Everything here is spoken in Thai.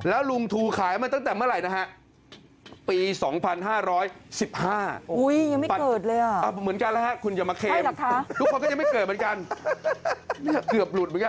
เเร้าหลวงตูขายแต่ไเมื่อไหร่